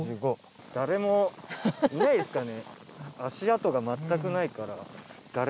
誰もいないですかね？